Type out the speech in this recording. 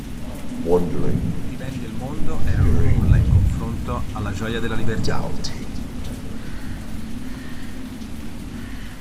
Tutti i beni del mondo erano nulla in confronto alla gioia della libertà.